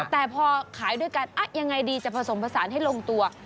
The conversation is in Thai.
แต่พอขายด้วยกันยังไงดีจะผสมผสานให้ลงตัว